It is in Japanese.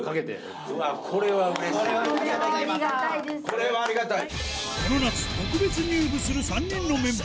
これはありがたい！